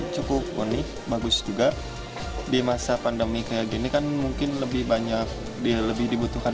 cukup unik bagus juga di masa pandemi kayak gini kan mungkin lebih banyak dia lebih dibutuhkan